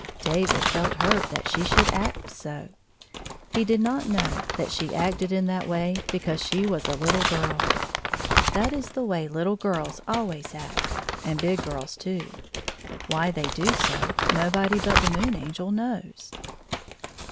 David felt hurt that she should act so. He did not know that she acted in that way because she was a lit tle girl. That is the way httle girls always act — and big girls too. Why they do so, nobody but the Moon Angel knows.